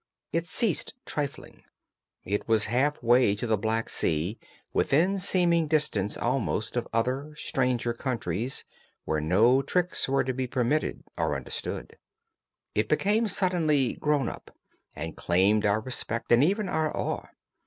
It ceased trifling. It was half way to the Black Sea, within seeming distance almost of other, stranger countries where no tricks would be permitted or understood. It became suddenly grown up, and claimed our respect and even our awe.